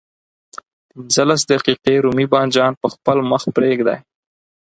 پنځلس دقيقې رومي بانجان په خپل مخ پرېږدئ.